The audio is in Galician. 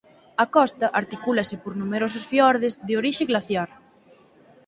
A costa articúlase por numerosos fiordes de orixe glaciar.